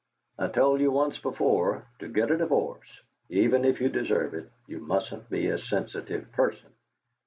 I told you once before, to get a divorce, even if you deserve it, you mustn't be a sensitive person.